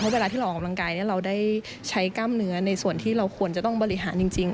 เวลาที่เราออกกำลังกายเราได้ใช้กล้ามเนื้อในส่วนที่เราควรจะต้องบริหารจริง